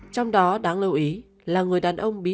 trong đó đáng lưu ý là người đàn ông bí